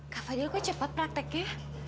kak fadil kok cepat prakteknya